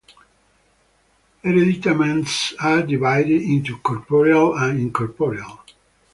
Hereditaments are divided into corporeal and incorporeal.